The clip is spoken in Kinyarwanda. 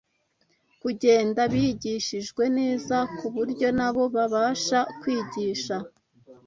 kugenda bigishijwe neza ku buryo na bo babasha kwigisha